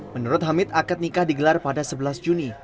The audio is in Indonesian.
menurut hamid akad nikah digelar pada sebelas juni